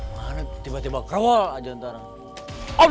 mana tiba tiba kerol aja ntarang